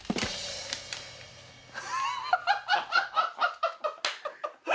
ハハハハ！